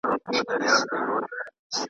چي ګوندي ستا په نه راختلو .